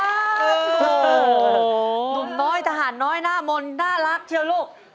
หนุ่มน้อยทหารน้อยหน้ามนต์น่ารักเชียวลูก